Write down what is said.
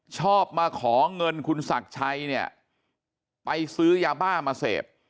ชอบมาขอเงินคุณศักดิ์ชัยเนี่ยไปซื้อยาบ้ามาเสพ